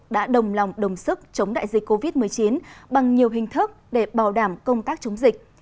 đã đồng lòng đồng sức chống đại dịch covid một mươi chín bằng nhiều hình thức để bảo đảm công tác chống dịch